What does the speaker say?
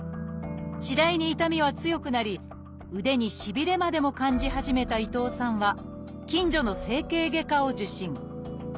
次第に痛みは強くなり腕にしびれまでも感じ始めた伊藤さんは近所の整形外科を受診。